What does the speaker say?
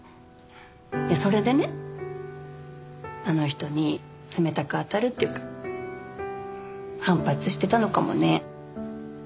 それでねあの人に冷たく当たるっていうか反発してたのかもね。